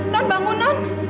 nun bangun nun